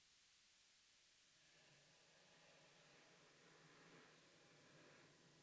A Snicket le gusta utilizar alusiones literarias y filosóficas dentro de sus libros.